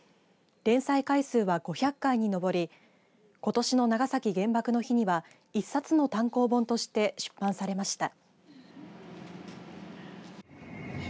連載回数は、５００回に上りことしの長崎原爆の日には１冊の単行本として出版されました。